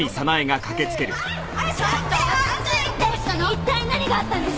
一体何があったんです？